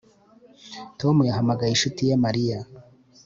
Tom yahamagaye inshuti ye Mariya